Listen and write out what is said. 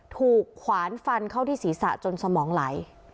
ขวานฟันเข้าที่ศีรษะจนสมองไหล